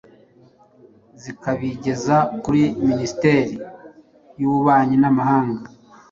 zikabigeza kuri Minisiteri y'Ububanyi n'Amahanga